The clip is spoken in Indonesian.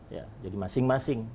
ya jadi masing masing